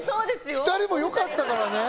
２人もよかったからね。